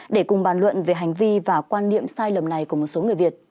để cùng bàn luận về hành vi và quan niệm sai lầm này của một số người việt